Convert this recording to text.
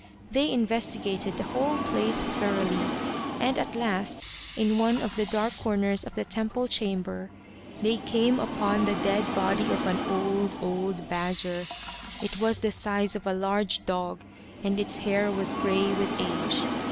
They investigated the 275 The Badger Haunted Temple whole place thoroughly, and at last, in one of the dark corners of the temple chamber, they came upon the dead body of an old, old badger. It was the size of a large dog, and its hair was grey with age.